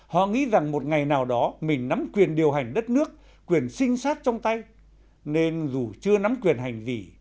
họ nghĩ rằng một ngày nào đó mình nắm quyền điều hành đất nước quyền sinh sát trong tay nên dù chưa nắm quyền hành gì